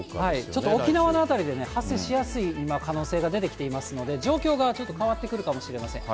ちょっと沖縄の辺りで、発生しやすい可能性が出てきていますので、状況がちょっと変わってくるかもしれません。